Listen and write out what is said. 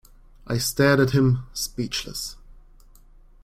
I stared at him, speechless.